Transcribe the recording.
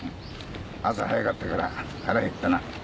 朝早かったから腹減ったな。